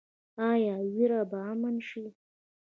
آیا ویره به امن شي؟